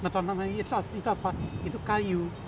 tanaman itu apa itu kayu